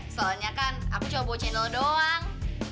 soalnya kan aku cuma bawa channel doang